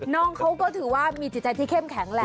น้องเขาก็ถือว่ามีจิตใจที่เข้มแข็งแหละ